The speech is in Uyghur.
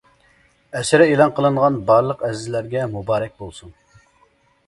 ئەسىرى ئېلان قىلىنغان بارلىق ئەزىزلەرگە مۇبارەك بولسۇن!